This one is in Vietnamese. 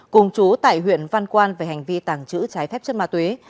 cùng chú tại huyện văn quan về hành vi tàng trữ trái phép chất ma túy